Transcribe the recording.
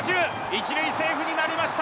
１塁セーフになりました